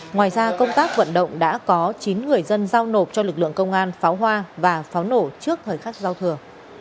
ngoài ra công tác vận động đã có chín người dân giao nộp cho lực lượng công an pháo hoa và pháo nổ trước thời khắc giao thừa